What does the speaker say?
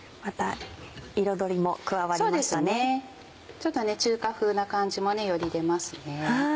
ちょっと中華風な感じもより出ますね。